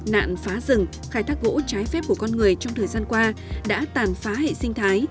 nạn phá rừng khai thác gỗ trái phép của con người trong thời gian qua đã hạ dấu cho các thành phố